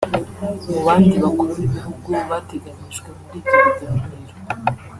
Mu bandi bakuru b’ibihugu bateganijwe muri ibyo biganiro